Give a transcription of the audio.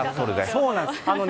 そうなんです。